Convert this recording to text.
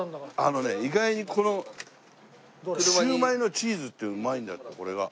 あのね意外にこのシウマイのチーズってうまいんだってこれが。